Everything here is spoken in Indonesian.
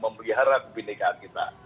memelihara kebenekaan kita